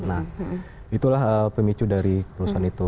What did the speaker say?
nah itulah pemicu dari kerusuhan itu